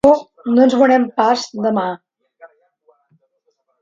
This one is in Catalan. Oh, no ens veurem pas, demà!